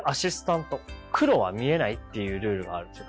黒は見えないっていうルールがあるんですよ